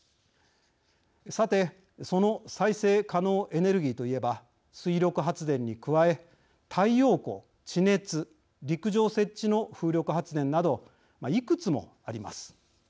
さて、その再生可能エネルギーといえば、水力発電に加え太陽光、地熱、陸上設置の風力発電など、いくつもあります。